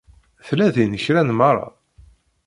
Tella din kra n nnmara?